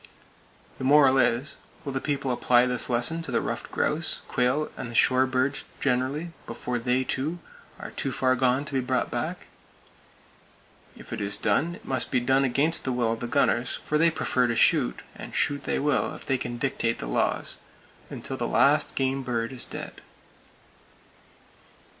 The moral is: Will the People apply this lesson to the ruffed grouse, quail and the shore birds generally before they, too, are too far gone to be brought back? If it is done, it must be done against the will of the gunners; for they prefer to shoot,—and shoot they will if they can dictate the laws, until the last game bird is dead.